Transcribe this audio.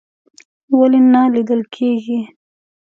ولې نه لیدل کیږي؟